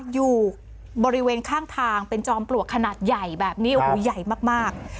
อยู่บริเวณข้างทางเป็นจอมปลวกขนาดใหญ่แบบนี้โอ้โหใหญ่มาก